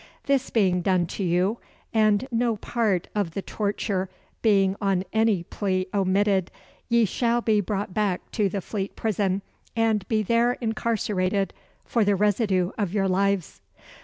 This being done to you, and no part of the torture being on any plea omitted, ye shall be brought back to the Fleet Prison, and be there incarcerated for the residue of your lives."